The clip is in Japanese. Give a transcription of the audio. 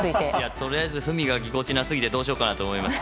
とりあえずふみがぎこちなさすぎてどうしようかなと思いました。